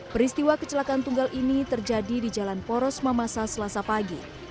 peristiwa kecelakaan tunggal ini terjadi di jalan poros mamasa selasa pagi